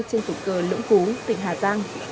trên cục cờ lũng cú tỉnh hà giang